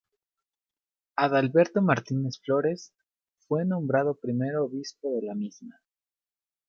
Adalberto Martínez Flores, fue nombrado Primer Obispo de la misma.